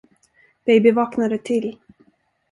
Baby vaknade till.